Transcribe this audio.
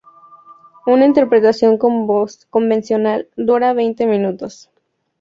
Una interpretación convencional dura veinte minutos.